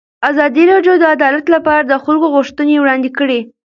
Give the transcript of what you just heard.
ازادي راډیو د عدالت لپاره د خلکو غوښتنې وړاندې کړي.